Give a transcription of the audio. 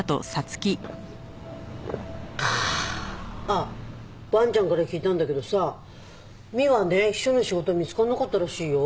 ああ萬ちゃんから聞いたんだけどさ三和ね秘書の仕事見つからなかったらしいよ。